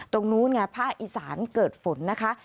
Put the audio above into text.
ตรงนู้นไงภาคอีสานเกิดฝนนะคะ